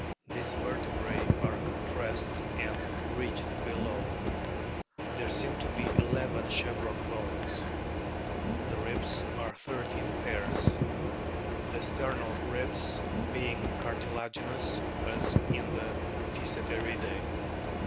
These vertebrae are compressed and ridged below. There seem to be eleven chevron bones. The ribs are thirteen pairs the sternal ribs being cartilaginous as in the Physeteridae.